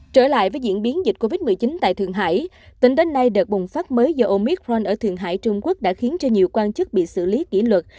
trở lại với diễn biến dịch covid một mươi chín tại thượng hải tỉnh đến nay đợt bùng phát mới do omicron ở thượng hải trung quốc đã khiến cho nhiều quan chức bị xử lý kỹ luật